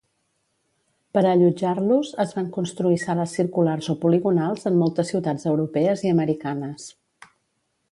Per allotjar-los es van construir sales circulars o poligonals en moltes ciutats europees i americanes.